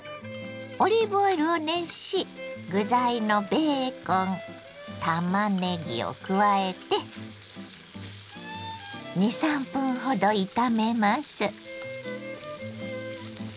オリーブオイルを熱し具材のベーコンたまねぎを加えて２３分ほど炒めます。